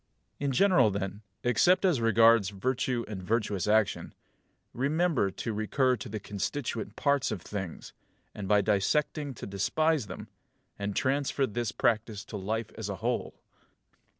In general then, except as regards virtue and virtuous action, remember to recur to the constituent parts of things, and by dissecting to despise them; and transfer this practice to life as a whole.